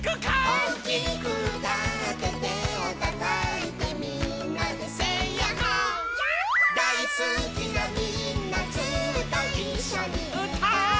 「おおきくうたっててをたたいてみんなでセイやっほー☆」やっほー☆「だいすきなみんなずっといっしょにうたおう」